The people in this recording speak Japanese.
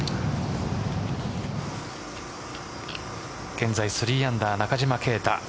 現在３アンダー、中島啓太。